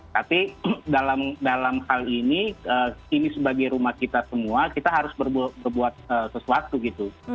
tapi dalam hal ini ini sebagai rumah kita semua kita harus berbuat sesuatu gitu